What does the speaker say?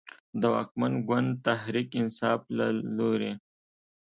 د واکمن ګوند تحریک انصاف له لورې